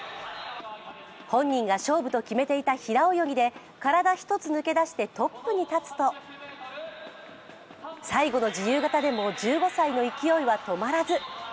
本人が勝負と決めていた平泳ぎで体１つ抜け出してトップに立つと最後の自由形でも１５歳の勢いは止まらず。